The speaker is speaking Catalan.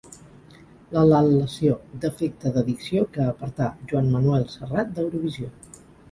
La lal·lació: defecte de dicció que apartà Joan Manuel Serrat d'Eurovisió.